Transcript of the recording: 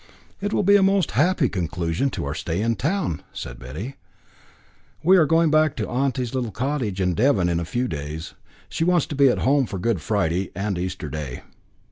"It will be a most happy conclusion to our stay in town," said Betty. "We are going back to auntie's little cottage in Devon in a few days; she wants to be at home for Good Friday and Easter Day."